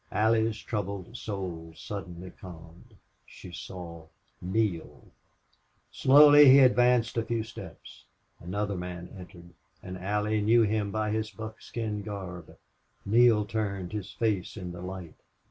Allie's troubled soul suddenly calmed. She saw Neale. Slowly he advanced a few steps. Another man entered, and Allie knew him by his buckskin garb. Neale turned, his face in the light.